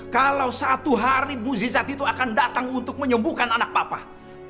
kalau satu hari muzizat itu akan datang untuk menyembuhkan anak papa